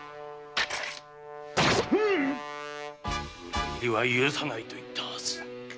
裏切りは許さないと言ったはず。